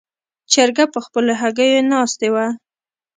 چرګه په خپلو هګیو ناستې وه.